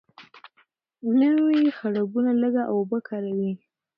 نوې خړوبونه لږه اوبه کاروي.